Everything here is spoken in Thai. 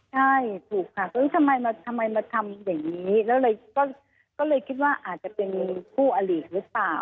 ใช่ถูกค่ะก็เลยทำไมมาทำไมมาทำอย่างนี้แล้วเลยก็ก็เลยคิดว่าอาจจะเป็นผู้อลีกหรือเปล่า